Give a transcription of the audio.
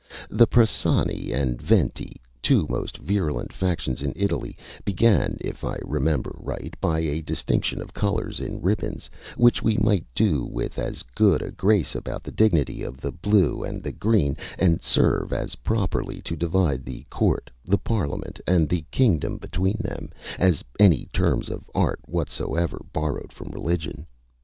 The Prasini and Veniti, two most virulent factions in Italy, began, if I remember right, by a distinction of colours in ribbons, which we might do with as good a grace about the dignity of the blue and the green, and serve as properly to divide the Court, the Parliament, and the kingdom between them, as any terms of art whatsoever, borrowed from religion.